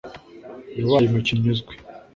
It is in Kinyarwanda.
yabaye umukinnyi uzwi